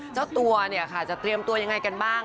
เจ้าตัวเนี่ยค่ะจะเตรียมตัวยังไงกันบ้าง